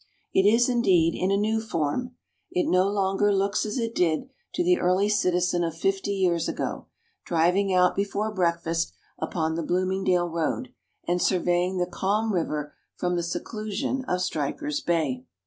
It is, indeed, in a new form. It no longer looks as it did to the early citizen of fifty years ago, driving out before breakfast upon the Bloomingdale Road, and surveying the calm river from the seclusion of Stryker's Bay.